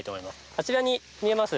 あちらに見えます